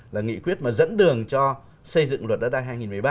là nghị quyết mà dẫn đường cho xây dựng luật đất đai hai nghìn một mươi ba